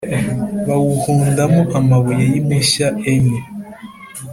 Bawuhundamo amabuye y impushya enye